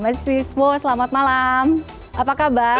mas wismo selamat malam apa kabar